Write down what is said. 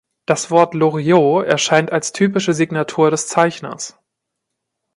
Das Wort "Loriot" erscheint als typische Signatur des Zeichners.